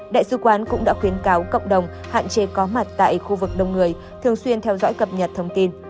đại sứ quán cũng đã khuyến cáo cộng đồng hạn chế có mặt tại khu vực đông người thường xuyên theo dõi cập nhật thông tin